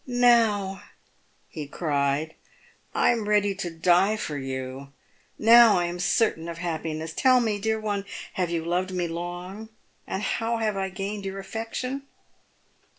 " Now," he cried, " I am ready to die for you ! Now, I am certain of happi ness. Tell me, dear one, have you loved me long, and how have I gained your affection